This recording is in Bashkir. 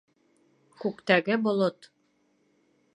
Күктәге болот!